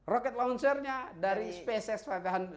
rocket launchernya dari spacex v lima ratus